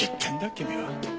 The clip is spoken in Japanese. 君は。